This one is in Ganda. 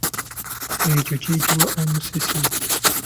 Ekyo kiyitibwa omusisi.